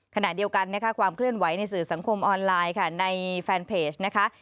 ขณะเดียวกันนะคะความเคลื่อนไหวในสื่อสังคมออนไลน์ค่ะในแฟนเพจนะคะ